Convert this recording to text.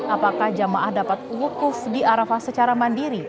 apakah jamaah dapat wukuf di arafah secara mandiri